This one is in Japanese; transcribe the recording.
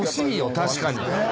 確かに。